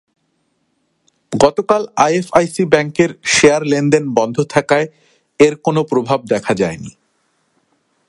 গতকাল আইএফআইসি ব্যাংকের শেয়ার লেনদেন বন্ধ থাকায় এর কোনো প্রভাব দেখা যায়নি।